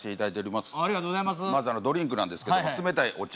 まずあのドリンクなんですけども冷たいお茶